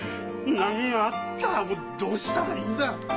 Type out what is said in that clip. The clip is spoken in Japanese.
何があったらどうしたらいいんだ。